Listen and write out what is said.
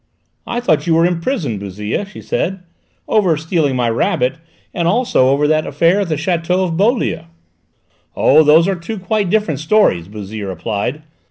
"I thought you were in prison, Bouzille," she said, "over stealing my rabbit, and also over that affair at the château of Beaulieu." "Oh, those are two quite different stories," Bouzille replied.